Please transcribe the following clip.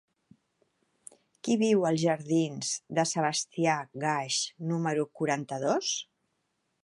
Qui viu als jardins de Sebastià Gasch número quaranta-dos?